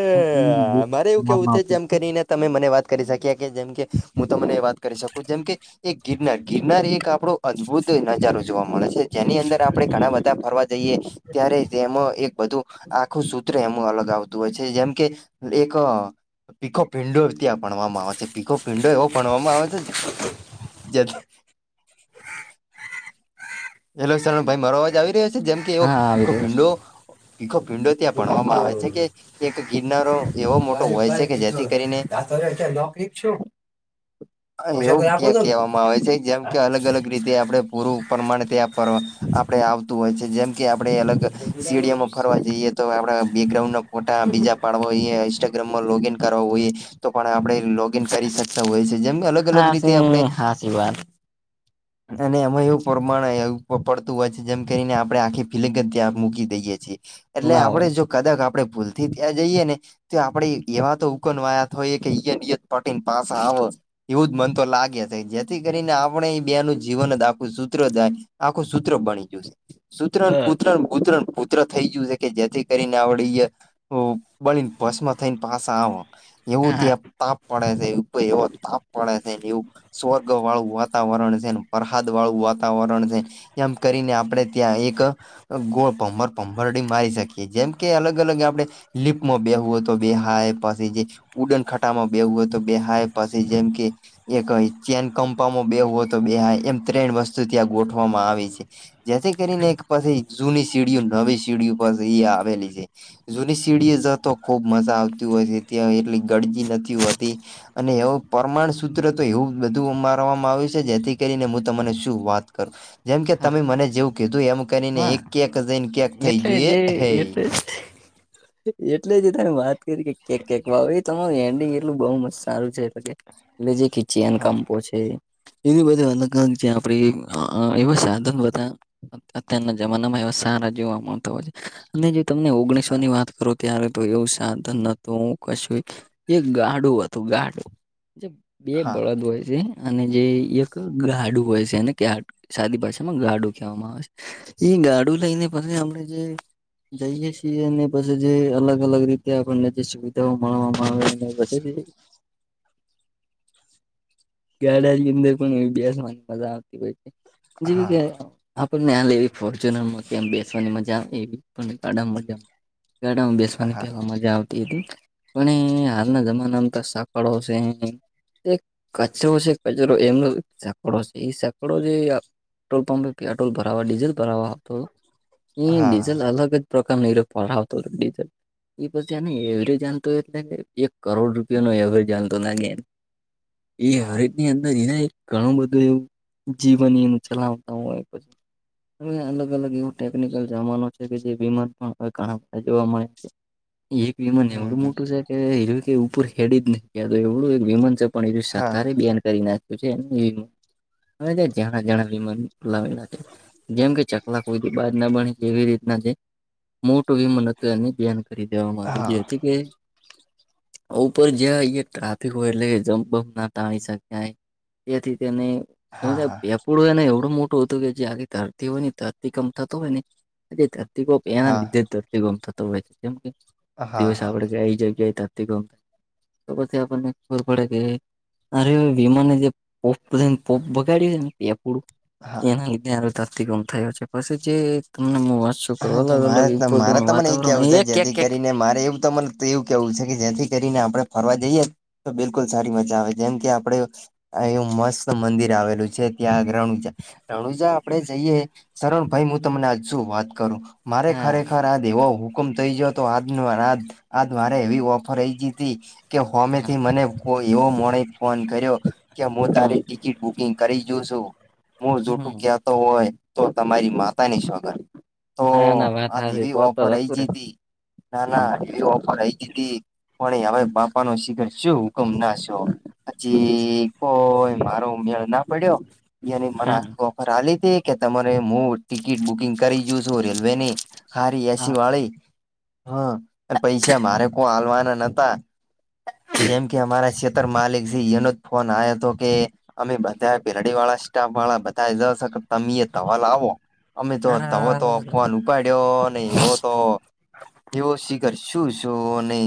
કરવામાં આવતી જેમ હતી કરીને તમે મને વાત કરી શકી્યા કે જેમ કે હું તમને વાત કરી શકું જેમ કે એક ગિરનાર ગિરનાર એક આપણો અદભુત નજારો જોવા મળે છે જેની અંદર આપડે ઘણા બધા ફરવા જઈએ ત્યારે તેમાં એક બધું આખું સૂત્ર એમ અલગ આવતું હોય છે જેમ કે એક ભીખો પીંડો ત્યાં ભણવામાં આવે છે ભીખો પીંડો એવો ભણવામાં આવે છે. જ હેલો સરણ ભાઈ મારો અવાજ આવી રહ્યો છે જેમ કે એવો હા આવી પીખો રહ્યો છે. પીંડો ભીખો ભીંડો ત્યાં હું ભણવામાં આવે છે કીધું કે એક ગિરનારો એવો મોટો હોય છે કે જેથી કરીને હાત્યારે ત્યાં નકલીખ છું હ પૈસા એવું કોઈ આપો ત્યાં તો ને કહેવામાં આવે છે જેમ કે અલગ અલગ રીતે આપણે પૂરું પ્રમાણે આપડણે આવતું હોય છે. જેમ કે આપડે અલગ સ્ટેડિયમ ફરવા જઈએ તો. આપડા બેકગ્રાઉન્ડ ફોટા બીજા પાડવા હોઈ ઇન્સ્ટાગ્રામમાં લોગઈન કરવા હોઈએ તો પણ આપણે લોગ ઇન કરી શકતા હોય છે જેમ અલગ અલગ રીતે આપણે સાચી વાત અને એમાં એવું પરમાણ પડતું હોય છે જેમ કરીને આપણેે આખી ફિલ્યા મૂકી દઈએ છીએ એટલે ના આપણે હોય જો કદાક આપડે ભૂલ થી ત્યાં જઈએ ને તો આપડે એવા તો ઉકનવાયાત હોઈ કે યયત પટી પાસે આવે એવું જ મન તો લાગે છે જે જેથી કરીને આપણે બેનું જીવન જ આખું સૂત્રાય આખું સૂત્ર બની ગયશે. સુૂત્ર હા કૂત્ર કુત્ર. ચ થઈ ગયું છે કે જેથી કરીને બળને ભસમાં થઈને પાસા આવે. એવું હા ત્યાં તાપ પડે છે એવ તાપ પડે છે એવું. સ્વર્ગ વાળું વાતાવરણ છેન પ્રહાદ વાળું વાતાવરણ ઝન. એમ કરીને આપણે ત્યાં એક ગોળ પમમર પભરડી મારી શકીએ જેમ કે અલગ અલગ આપણે. લીપમાં બેહવું હોય તો બેહાય પછી જે ઉડન ખાટામાં બેવું હોય તો બે હાય પાછી જેમ કે, એક ત્યાં કંપામાં બે હોય તો બે હાય એમ ત્રણ વસ્તુ ત્યાં ગોઠવામાં આવી છે. જેથી કરીને એક પાછી જૂની સીડીઓ નવી સીડીઓ પાસે એ આવેલી છે. જૂની સીડીએ જતો ખુબ મજા આવતી હોય છે ત્યાં એટલી ગરજી નથી હોતી. અને એવું પરમાણ સૂત્ર તો એવું બધું ઉ મારવામાં આવ્યું છે જેથી કરીને હું તમને શું વાત જેમ કે હા તમે મને જેવું કીધું એમ કરીને હા એક કેક જઈને કેક થઈ એટલે જોઈએ જે હે. એટલે એટલે જ તમે વાત કરી કે કેક કેક ભાવ એ તમારું હન્ડી એટલું બઉુ મસ્ત સારું છે એટલે કે. એટ લ જેે ખીચી એન હા કંપો છે. એની બધી વાંધકા છે અ આપડી એ સદ બતા અત્યારના જમાનામાં એ સારા જોવા મળતા હોય છે, અને જો તમને ઓગણીસો હા ની વાત કરો ત્યારે તો એવું સાધન નતું હું કશું. એ ગાઢું હતું ગાઢું, જે બે બળદ હોય છે. અને જે એક ગાડું હોય છેને કે સાદી પાછામાં ગાડુ કહેવામાં આવે છે. એ ગાડું લઈને પછી આપણે જે જઈએ છીએ અને. પછ જે અલગ અલગ રીતે આપણને જે સુવિધાઓ મળવામાં આવે પછ ગાડા ની અંદર પણ એવી બેસવાની મજા આવતી હોય છે જેવી હા કે આપણને આ લેવી. ફચુનરમાંયા બેવાની મજા આવે એવી પણા મજા આવે. હા ની હા પહેલા મજા આવતી હતી, પણ હાલના જમાનામાં તો સાકળો છે. એક કચરો છે કચરો એમનો સકડો છે એ સકડો જે પેટ્રોલ પંપે પેટ્રોલ ભરાવા ડીઝલ ભરાવા આપતો એ હા ડીઝલ અલગ જ પ્રકાર ન એ ફળ આવતો હતો ડીઝલ. એ પછી આને એવરેજ આતો એટલે એક કરોડ રૂપિયા નો એવરેજ આતો ના એમ. એ હા હરેટની અંદર ઘણું બધું એવું જીવન એ ચલાવતા હોય પછ. હવે અલગ અલગ એવો ટેકનિકલ જમાનો છે કે જે વિમાન પણ જોવા મળે છે. એક વિમાન હમ એવરું હમ મોટું છે. એ હર કે ઉપર હેડી જ નયા એવડું એક વિમન છે પણ હ હા કારે બન કરી નાખ્યું છે હ, ત્યાં જણા જણા વિમા લાવેલા છે. જેમ કે ચકલા કો બાાર ના બ એવી રીતના જે, મોટું વિમન હતું એ ધ્યાન કરી દેવા હા માંગીલી હતી કે ઉપર જ્યાં ટ્રાફિક હોય એટલે કે જમ્પબં ના શકાય તેથી તેને હા હા થોડું એને એવડું મોટું હતું કે જે આગ ધરતી હોય ને ધરતી કમ થતો હોય ને. ધરતીપ એના લીધે હા ધતી થતો હોય છે જેમ કે હા હા દિવસ આપડે કે આવી જગ્યાએ તતી ગમતા તો પછી આપણને ખબર પડે કે અરે વિમાને જે પોપધ પોપ બગાડ્યું છે ને તે પૂડું. હા એના લીધે ધરતી ગમ થયો છે પછી જે તમને મુ વા હા કે મારે મારે તમને એ કેવું છે એક એક જેથી એક કરીને મારે એવું તને એવું કેવું છે કે જેથી કરીને આપડણે ફરવા જઈએ તો બિલકુલ સારી મજા આવે જેમ કે આપડે. એવું મસ્ત મંદિર આવેલું છે ત્યાં રણુજા રણુજા આપડે જઈએ. સરણ ભાઈ હું તમને આજજુ વાત કરું, મારે હા ખરેખર આ વો હુકમ થઈ જયો તો આજ આ મારે એવી ઓફર આઈ જ હતી. કે હા હમેથી મને એવો મો ફોન કર્યો, કે હું હા તારી ટિકિટ બુકિંગ કરી જો છું, હ જોઠું હમ ક્યાં હોય તો તમારી માતા ની છગર. તો ના ના વાત આજ હાચી એવી તો તો ઓફર આઈ હતું રે ગઈ હતી ના હમ ના એવી ઓફર આઈ ગ હતી. પણ હ બાપા ન શિખર શું હુકમ ના છો. હજીી કોઈ મારો ઉમેળ ના પડ્યો. ની મને હા આખી ઓફર આ ત કે તમારે હું ટિકિટ બુક યુઝ હો રલવેને, હારી એસી હા વાળી. હા પૈસા મારે કો હલવાના નતા. જેમ કે અમારા છેતર માલિક એનો જ ફોન આવ્યો હતો કે અમે બધા પેરડી વાળા સ્ટાફ વાળા બધા જ તમે એ તવાલ આવો. અમે જો અરે તવો તો હા ફોન ઉપાડ્યો ને એવો તો એવો શખર શું શું નહી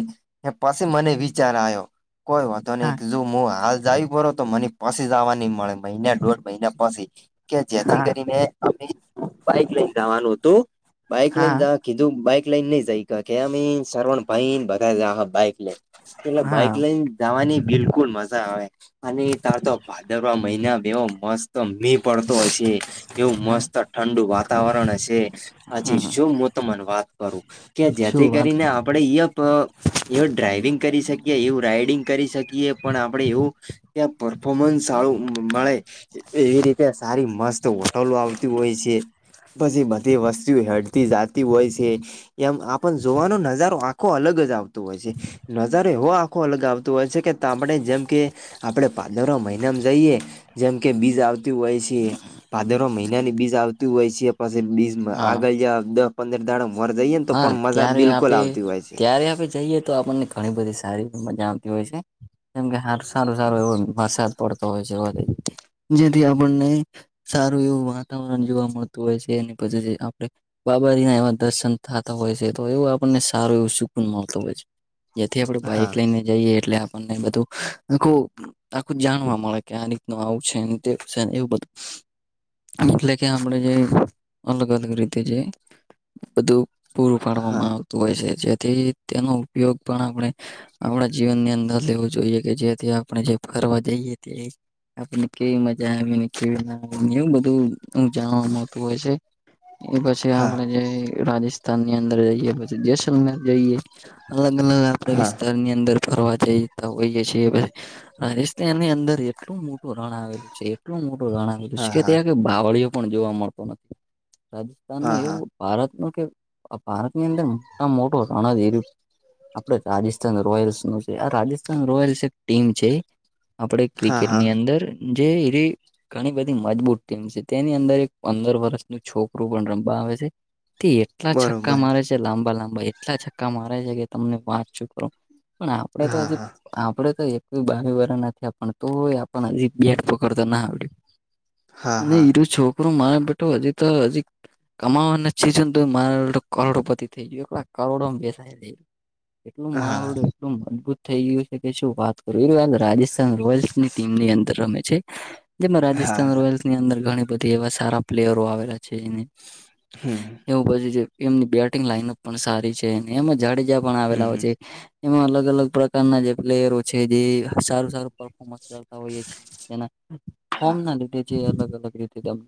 પાસે મને બચાર આવ્યો, કોઈ વા નહી જો હું હાલ જાવ પ તો મને પછી જવા ન મળે મહિના દોઢ મહિના પછી, કે જેથી હા કરીને અમે બાઈક લઈને જવાનું હતું, બાઈક લઈને હા જ કીધું બાઈક લઈન નઈ જાય કે અ સરવણ ભાઈ બધા બાઈક લઈન. એલે બાઈક હા લઈને જવાની બિલકુલ મજા આવે. અને તાર તો ભાદરવા મહિના બેવો મસ્ત મી પડતો હશે. એવું હા, મસ્ત ઠંડુ વાતાવરણ હશે. હછી હમ શું હું તને વાત કરું, કે શું જેથી વાત કરીને કરું આપણે એ ડ્રાઈવિંગ કરી શકીએ એવ રાઈડિંગ કરી શકીએ પણ આપડે એવું, કે પરફોમન્સ સારું મળે. એવી રીતે સારી મસ્ત હોટલો આવતી હોય છે. પછી બધી વસ્તુ હેળતી જતી હોય છે. એમ આપણ જોવાનો નજારો આખો અલગ જ આવતો હોય છે, નજારો એવો પાખો અલગ આવતોું હોય છે કે આપણે જેમ કે, આપણે પાદર મહિનામાં જઈએ. જેમ કે બીજ આવતી હોય છે ભાદરો મહિનાની બીજ આવતી હોય છે. પાછ બીસમાં હા આગળ જ પંદર દાડામાં હા ત્યારે આપે છે ત્યારે આપે જઈએ તો આપણને ઘણી બધી સારી મજાામતી હોય છે, જેમ કે સારો સારો એવો વરસાદ પડતો હોય છે, જેથી આપણને સારું એવું વાતાવરણ જોવા મળતું હોય છે એની પછી આપણે બાબાજી ના એવા દર્શન થતા હોય છે તો એવું આપણને સારું એવું સુકુન મળતો હોય છે. જેથી આપડ બાઈક હા લઈને જઈએ એટલે આપણને બધું આખું આખું જાણવા મળે કે આ રીતનું આવું છે ને તેવું છેને એવું બધું. એટલે કે આપણે જે અલગ અલગ રીતે જે બધું પૂરું હા પાડવામાં આવતું હોય છે જેથી તેનો ઉપયોગ પણ આપણે. આપણા જીવનની અંદર લેવું જોઈએ કે જેથી આપણે જે કરવા જઈએ તે આપણને કેવી મજા આવેને કેવી ના આવેને એવું બધું જાણવા મળતું હોય છે, એ પછી હા આપડે જે રાજસ્થ વિની અંદર જઈએ પછી જસલર જઈએ, અલગ અલગ આપડા હા વિસ્તારની અંદર કરવા જતા હોઈ જ છે. હેશ ત એની અંદર એટલું મોટું રણ આવેલું છે એટલું મોટું રણ આવે હા હા ત હા કે બાવળીયો પણ જોવા મળતો નથી, રાજસ્થાન ન હા એવું ભારત ન કે આ ભારતની અંદર મોટા માં મોટું રણ જ. આપડા રાજસ્થાન રોયલ્સ શું છે આ રાજસ્થાન રોયલ્સ એક ટીમ છે. આપણે હા હા ક્રિકેટની અંદર જે ઘણી બધી મજબૂત ટીમ છે તેની અંદર એક પંદર વર્ષનું છોકરું પણ રમવા આવે છે. તે એટલા છક્કા બરોબર મારે છે લાંબા લાંબા એટલા છક્કા મારે છે કે તમને વાંચચું કરો. પણ આપડે તો હા હજી હા આપડે તો એક બી બાવી વાર નથી આપવાના તો ય આપણ ને એક બેટ પકડતા ના આવડ્યું. હા અને હા ઈરું છોકરોું મારા બેઠું હજી તો હજી કમાવાના માડ કરોડોપતિ થઈ ગય કરોડોમાં બેસાય, એટલું હા મારડું મજબૂત થઈ ગયું છે કે શું વાત કરું એ વાત રાજસ્થાન રોયલ્સની ટીમ ની અંદર રમે છે. જેમાં રાજસ્થાન હા રોયલ્સની અંદર ઘણી બધી એવા સારા પ્લેયરો આવેલા છે અને હમ. એવું પછુ એમની બેટિંગ લાાઈનઅપ પણ સારી છે અને એમાં જાડેજા પણ આવેલા હોય હમ છે. એમાં અલગ અલગ પ્રકારના જે પ્લેયરો છે જે સારું સારું પફોર્મન્સ હોઈએ છ એ હા ફોમ ના લીધે જે અલગ અલગ રીતેને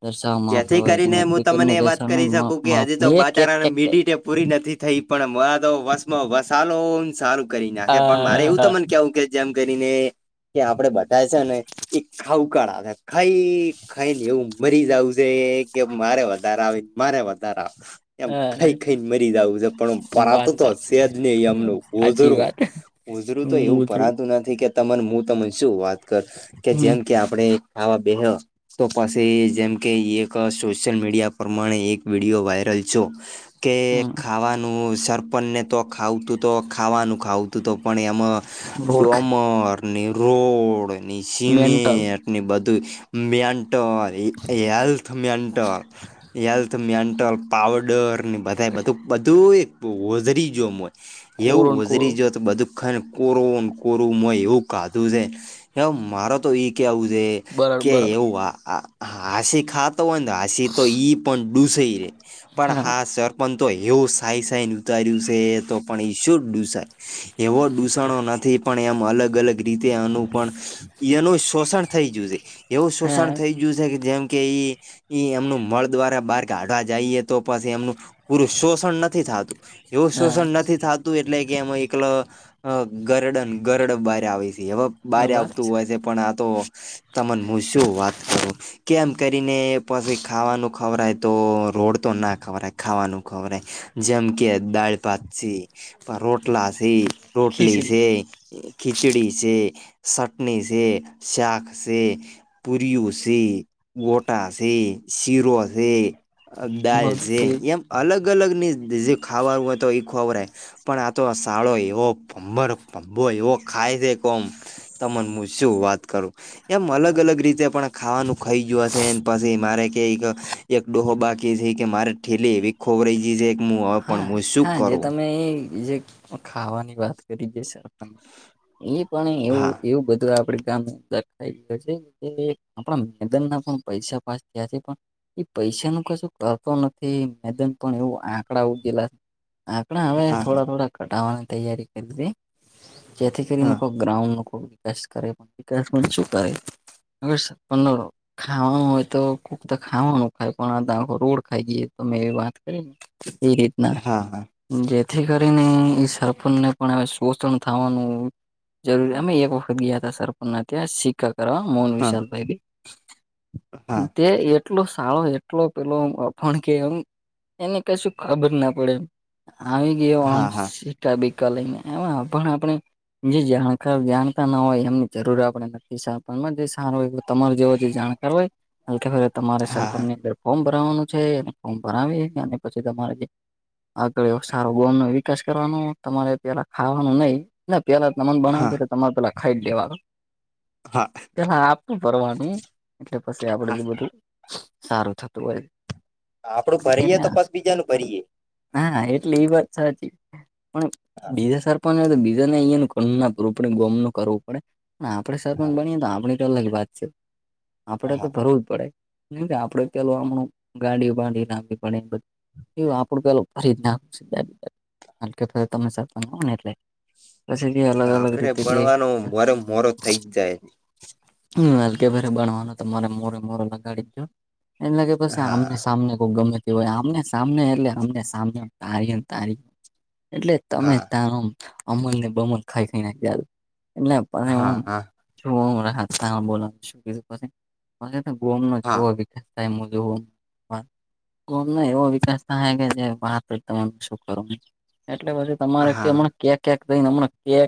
દર્શાવવામાંતા જેથી હોય છે કરીને ને હું ક્રિકેટને તમને એ વાત કરી શકું કે હજી તો બાચારાને દર્શાવપ મીઠી પૂરી નથી થઈ પણ મોરાદો વસમાં વસાલો ન સારું કરી નાખે પણ મારે એવું ત આ મને કેવું કે જેમ કરીને કે આપડે બધા છે ને એક ખાઉકાળા ને ખાઈ ખાઈ ને એવું મરી જાવું કે મારે વધારે આવે મારે વધારે આવે. એમ ખાઈ ખાઈ ને મરી જ આવું છે પણ પરાતો વાત તો સાચી સેજ ન આમનું સાચી ઓઝરો. વાત ઉજરું તો એવું મુતરું ભરાતું નથી કે તમાર હું તને શું વાત કર, કે હમ જેમ કે આપણે આાવા બેહ્યો તો પછી જેમ કે એ ક સોશિયલ મીડિયા પ્રમાણે એક વિડિયો વાયરલ છો, કે હમ ખાવાના નું સરપંચને તો ખાવતું તો ખાવાનું ખાવતું તો પણ એમાં મૂર્ખ ડમર ની રોડ ની મેન્ટલ સિમેન્ટ. ની બધું, મયેન્ટોરી. Health mental health mental. Powder ને બધાએ બધું બધું એક ઓઝરી જોમ. એવું કોરોન કોરો ઉજરી જો તો બધું ને કોરો કોરુંય મય એવું કાધું છે, એ મારે તો ઈ કેવું છે. બરડ કે બરડ એવું આ આ હાસી ખાતો હોય ને હાસી તો ઈ પણ ડૂસય રે. પણ હા સરપંચ તો એવું સાય સાઈ ને ઉતાર્યું છે તો પણ ઈ શુંડ દૂસાય, એવો દૂસણો નથી પણ એમ અલગ અલગ રીતે આનુપણ એનું શોષણ થઈ ગય છે, એવું શોષણ હા થઈ ગયું છે જેમ કે એમનું મળ દ્વારા બહાર કાઢવા જઈએ. તો પછી એમનું પૂરું શોષણ નથી થાતું, એવું હા શોષણ નથી થાતું એટલે કે એમાં એકલા, ગરડન ગરડ બાર આવે છે. હા બાર બસ આવતું હોય છે પણ આ તો તમન હું શું વાત કરું. કેમ કરીને એ પછી ખાવાનું ખવરાય તો રોડ તો ના ખવરાય ખાવાનું ખવરાય. જેમ કે દાળ ભાત સે પણ રોટલા સે રોટલી ખીચડી સે ખિચડી સે ચટણી સે શાક સે પૂરીઓ સે ગોટા સે શીરો સે દાળ સે મગફળી એમ- - અલગ અલગ ની જે ખાવા હોય તો એ ખોવરાય- - પણ આ તો સાળો એવો પમ્બર પમબો એવો- - ખાય છે કોમ તને શું વાત કરું એમ અલગ અલગ રીતે પણ- - ખાવાનું ખાઈ ગયું હશેને પછી મારે કંઈક- - એક ડોહો બાકી થ કે મારે ઠેલી ખોવરાઈ ગ છે- - હા હા જે તમે એ જે- - ખાવાની વાત કરી જઈ સર એ પણ એવું હા એવું બધું આપડ ગામે દખાય ગયો છે આપણા મેદાન ના પણ પૈસા પાસ થયા છે પણ એ પૈસા ન કશું કરતો નથી મેદાન પણ એવું આખ- - આકડા ઉગેલા આકડા હવે હા થોડા થોડા કટાવાની તૈયારી કરી હતી. જેથી કરીને હા કોઈ ગ્રાઉડનો ખબ વિકાસ કરે પણ વિકાસમાં છુંકારે- - ઓ સર પંદડ- - ખાવાનું હોય તો કુક તો ખાવાનું ખાય પણ આંખ રોડ ખાઈ ગઈ તો મે એવી વાત કરી ને- - એ રીતના હા હા જેથી કરીને એ સરપ ને પણ હ શોષણ થવાનું. જરૂરી અમે એક વખત ગયા હતા સરપ ત્યાં શીખ- - કરવા મૂન હા વિષયાાલ ભઈ- હા - તે એટલો સારો એટલો પેલો અભણ કે એમ એને- - કશું ખબર ના પડે આવી ગયો હા આમ- હા - કા લઈને એમાં પણ આપણે- - જે જાણ જાણતા ના હોય એમની જરૂર આપડે નક સારું તમાર જેવ જે જાણકાર હોય તમારે હા સરપંની અંદર ફોર્મ ભરાવાનું છે ફોર્મ ભરાવી અને પછી તમારે જે આગળ સારો બોન નો વિકાસ કરવાનો તમારે પેલા ખાવાનું નહી. ના પેલા તમન બનાવે હા છે કે તમારે પેલા ખાઈ જ દેવાનુ. હા. પેલા આપતું ફવાનું એટલે પછી હા આપડે બધું સારું થતું હોય. આપડું ભરીયએ એટલે તો બસ બીજા નું ભરીયે- - હા એટલે એ વાત સાચી પણ બીજા સરપંચ તો બીજાને અહીંયા કપ ગમ નું કરવું પડે અને આપણેે સરપંચ બનીએ તો આપણે- - અલગ વાત છે આપડે હા તો ભરવું જ પડે. આપડે પેલ હમણું ગાડી બાાડી લાંબી પડે એધ- - એ આપડું પે ફરી નાખ તમે હો ને એટલે- - પછથી અલગ અલગ આખરે રીતે જે- - બળવાનો મોરે મોરો થઈ જ હમ હલકે ભરે બણવાનો તમારે મોરે મોરે લગાડીજો- - એ લ કે પછ જાય હા આમને સામને કોઈ ગમેતી હોય આમને- - સા એટલે અમને સા ત ત એટલે તમે હા તાર- - અમલ ને બમલ ખાઈ ખાઈ નાખ્યા એટલે હા હ- હા - હ બો છ ગમ હા ન- - કોમ ના એવ- - કે વાત ત શું કરું એટલે પછી તમારે હા કેમ- - કેક કે થઈનેમણા કેક